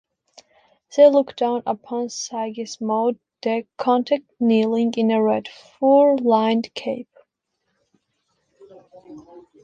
They look down upon Sigismonde de' Conti, kneeling in a red, fur lined cape.